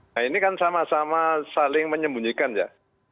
nah ini kan sama sama saling menyembunyikan ya